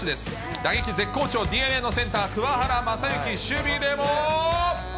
打撃絶好調、ＤｅＮＡのセンター、桑原将志守備でも。